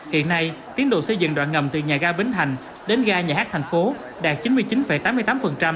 hiện nay tiến độ xây dựng đoạn ngầm từ nhà ga bến thành đến ga nhà hát thành phố đạt chín mươi chín tám mươi tám